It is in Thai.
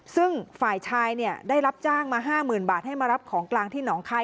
ซึ่งฝ่ายชายได้รับจ้างมา๕๐๐๐บาทให้มารับของกลางที่หนองคาย